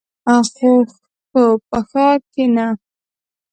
خو په ښار کښې نه.